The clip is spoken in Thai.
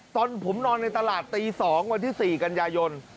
ตอนผมนอนในตลาดตี๒วันที่๔กันยายน